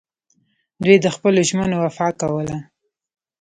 دوی د خپلو ژمنو وفا کوله